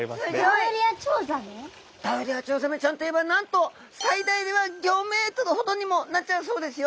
ダウリアチョウザメちゃんといえばなんと最大では５ｍほどにもなっちゃうそうですよ。